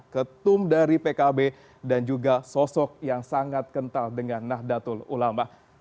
ketum dari pkb dan juga sosok yang sangat kental dengan nahdlatul ulama